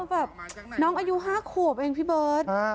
อ๋อมันแบบน้องอายุห้าขวบเองพี่เบิร์ดฮะ